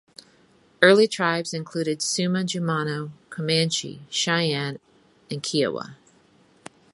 Early tribes included Suma-Jumano, Comanche, Cheyenne and Kiowa.